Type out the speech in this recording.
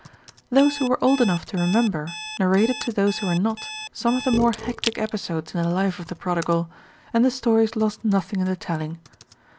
Those who were old enough to remember narrated to those who were not some of the more hectic episodes in the life of the prodigal, and the stories lost nothing in the telling.